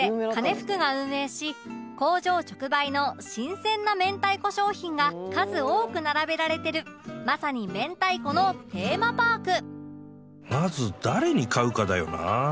ふくが運営し工場直売の新鮮な明太子商品が数多く並べられてるまさに明太子のテーマパーク